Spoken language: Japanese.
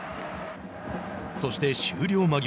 そして終了間際。